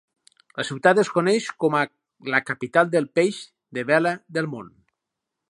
La ciutat es coneix com a la "Capital del peix de vela del món".